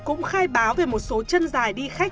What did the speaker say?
cũng khai báo về một số chân dài đi khách